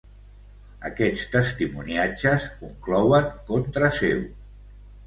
Aquests testimoniatges conclouen contra seu.